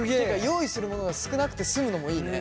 用意するものが少なくて済むのもいいね。